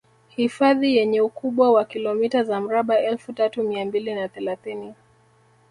hifadhi yenye ukubwa wa kilomita za mraba elfu tatu mia mbili na thelathini